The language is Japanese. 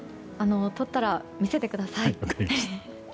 撮ったら見せてください。